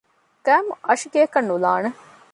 ގައިމު އަށިގެއަކަށް ނުލާނެ